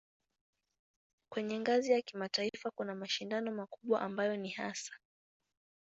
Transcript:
Kwenye ngazi ya kimataifa kuna mashindano makubwa ambayo ni hasa